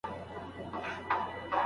څېړونکی په خپله برخه کي ډېر مهارت لري.